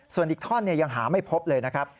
ส่วนอีกท่อนยังหาไม่พบเลยนะครับ